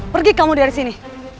pergi kamu dari sini